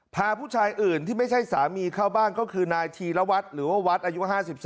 พาผู้ชายอื่นที่ไม่ใช่สามีเข้าบ้านก็คือนายธีรวัตรหรือว่าวัดอายุ๕๒